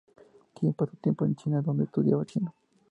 Kim pasó tiempo en China en dónde estudiaba chino.